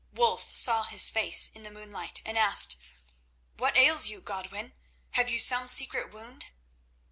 Wulf saw his face in the moonlight, and asked: "What ails you, Godwin? Have you some secret wound?"